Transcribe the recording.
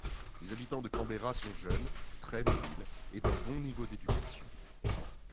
Les habitants de Canberra sont jeunes, très mobiles et d'un bon niveau d'éducation.